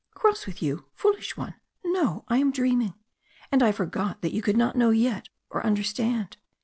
"Cross with you? Foolish one! No, I am dreaming. And I forgot that you could not know yet, or understand.